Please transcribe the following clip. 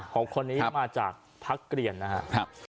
ของคนนี้มาจากพรรคเกลี่ยนนะครับ